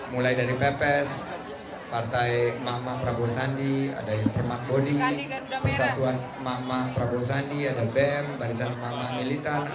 mulai dari pps partai emak emak prabowo sandi ada yang termakbonis